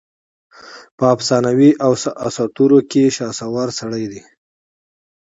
په افسانواواسطوروکې شهسوار سړی دی